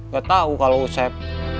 gak tau kalau usep